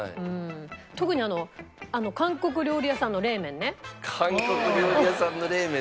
特に韓国料理屋さんの冷麺滑る！